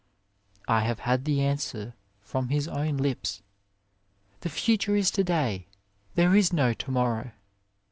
I have had the answer from his own lips. The future is to day, there is no to morrow